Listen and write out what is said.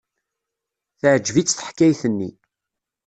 Teɛjeb-itt teḥkayt-nni.